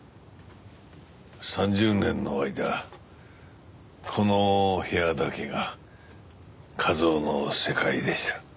３０年の間この部屋だけが一雄の世界でした。